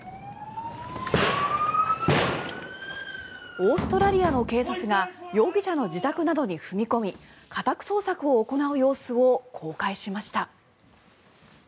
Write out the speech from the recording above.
オーストラリアの警察が容疑者の自宅などに踏み込み家宅捜索を行う様子を公開しました。